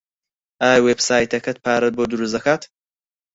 ئایا وێبسایتەکەت پارەت بۆ دروست دەکات؟